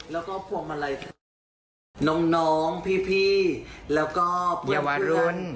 แล้วก็พวงมาลัยน้องพี่แล้วก็เยาวรุ่น